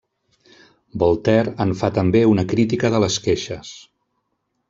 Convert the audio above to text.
Voltaire en fa també una crítica de les queixes.